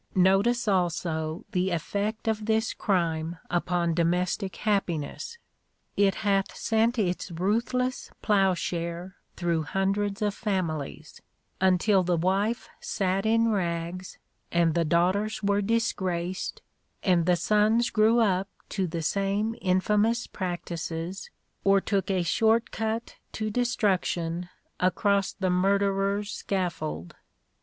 Notice also the effect of this crime upon domestic happiness. It hath sent its ruthless ploughshare through hundreds of families, until the wife sat in rags, and the daughters were disgraced, and the sons grew up to the same infamous practices, or took a short cut to destruction across the murderer's scaffold.